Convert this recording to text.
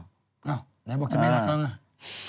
อ้าวนายบอกจะไม่รักแล้วนะ